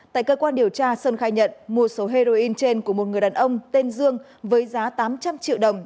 tại cơ quan điều tra sơn khai nhận mua số heroin trên của một người đàn ông tên dương với giá tám trăm linh triệu đồng